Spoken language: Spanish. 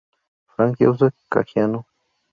Frank Joseph Caggiano.